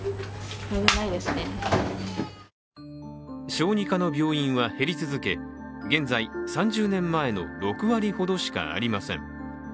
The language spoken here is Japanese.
小児科の病院は減り続け、現在３０年前の６割ほどしかありません。